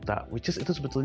tapi dari segitiga bulan